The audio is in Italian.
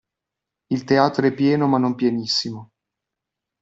Il teatro è pieno ma non pienissimo.